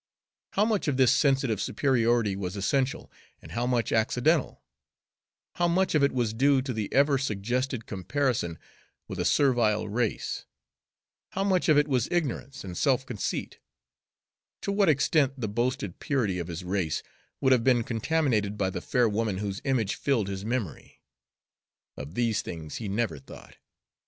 How much of this sensitive superiority was essential and how much accidental; how much of it was due to the ever suggested comparison with a servile race; how much of it was ignorance and self conceit; to what extent the boasted purity of his race would have been contaminated by the fair woman whose image filled his memory, of these things he never thought.